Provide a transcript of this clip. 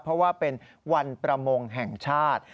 เพราะว่าเป็นวันประมงแห่งชาติ